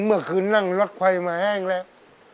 เมื่อคืนนั่งรถไฟมาแห้งแล้ว